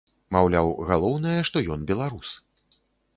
Маўляў, галоўнае, што ён беларус.